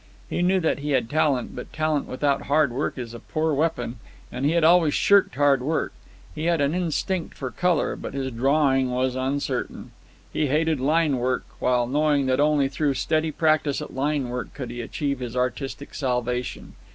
He knew that he had talent, but talent without hard work is a poor weapon, and he had always shirked hard work. He had an instinct for colour, but his drawing was uncertain. He hated linework, while knowing that only through steady practice at linework could he achieve his artistic salvation.